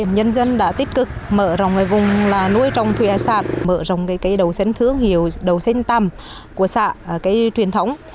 nhân dân đã tích cực mở rộng vùng nuôi trong thuyền sản mở rộng đầu xến thướng hiểu đầu xến tăm của xã cây truyền thống